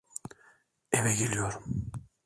Eve geliyorum.